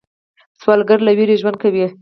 سوالګر له ویرې ژوند کوي